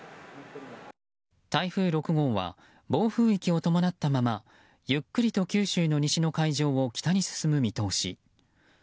台風６号は暴風域を伴ったままゆっくりと九州の西の海上を北に進む見通し。